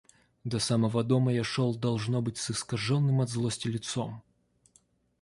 До самого дома я шел, должно быть, с искаженным от злости лицом.